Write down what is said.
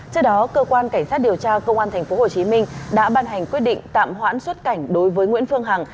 trước đó cơ quan cảnh sát điều tra công an tp hcm đã ban hành quyết định tạm hoãn xuất cảnh đối với nguyễn phương hằng